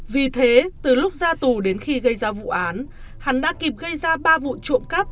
vì thế từ lúc ra tù đến khi gây ra vụ án hắn đã kịp gây ra ba vụ trộm cắp